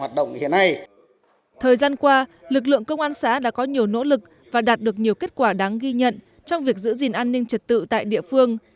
thời gian qua lực lượng công an xã đã có nhiều nỗ lực và đạt được nhiều kết quả đáng ghi nhận trong việc giữ gìn an ninh trật tự tại địa phương